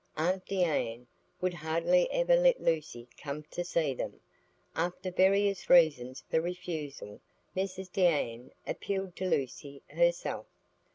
Aunt Deane would hardly ever let Lucy come to see them. After various reasons for refusal, Mrs Deane appealed to Lucy herself.